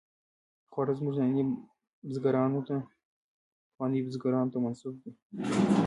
خواړه زموږ ننني بزګرانو نه، پخوانیو بزګرانو ته منسوب دي.